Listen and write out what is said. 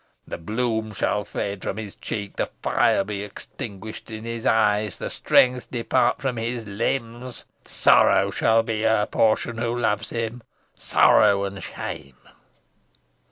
The bloom shall fade from his cheek, the fire be extinguished in his eyes, the strength depart from his limbs. Sorrow shall be her portion who loves him sorrow and shame!"